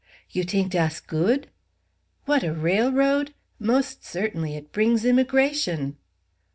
"You t'ink dass good?" "What, a railroad? Most certainly. It brings immigration."